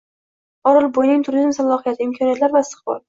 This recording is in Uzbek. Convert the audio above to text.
Orolbo‘yining turizm salohiyati: imkoniyatlar va istiqbol